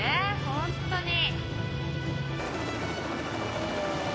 本当に。